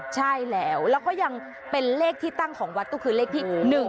ใช่แล้วแล้วก็ยังเป็นเลขที่ตั้งของวัดก็คือเลขที่๑๒